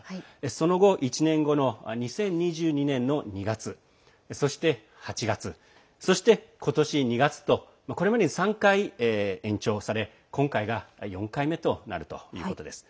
その後、１年後の２０２２年の２月、そして８月そして、今年２月とこれまでに３回、延長され今回が４回目となるということです。